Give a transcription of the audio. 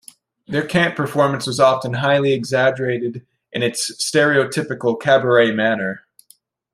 Their camp performance was often highly exaggerated in its stereotypical cabaret manner.